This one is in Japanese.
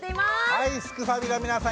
はいすくファミの皆さん